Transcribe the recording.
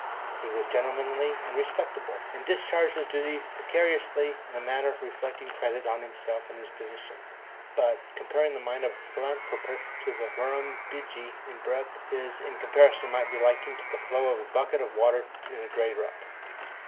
He was gentlemanly and respectable, and discharged his duties punctiliously in a manner reflecting credit on himself and his position, but, comparing the mind of a philanthropist to the Murrumbidgee in breadth, his, in comparison, might be likened to the flow of a bucket of water in a dray rut.